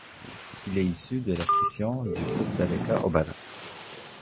Il est issu de la scission du groupe Daleka Obala.